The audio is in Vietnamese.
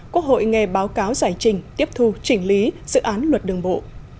quốc hội nghe báo cáo giải trình tiếp thu chỉnh lý dự án luật đường bộ